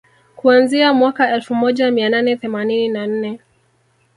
kuanzia mwaka elfu moja mia nane themanini na nne